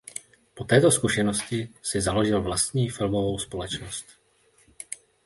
Po této zkušenosti si založil vlastní filmovou společnost.